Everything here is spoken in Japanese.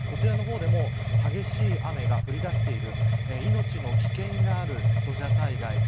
こちらの方でも激しい雨が降り出している命の危険がある土砂災害